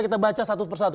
kita baca satu persatu